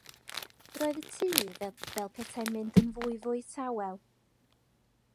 Roedd y tŷ fel petai'n mynd yn fwyfwy tawel.